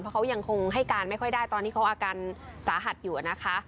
เพราะเขายังคงให้การไม่ค่อยได้ตอนนี้เขาอาการสาหัสอยู่นะคะ